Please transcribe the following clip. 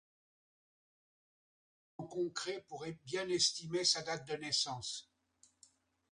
On n’a pas d’éléments concrets pour bien estimer sa date de naissance.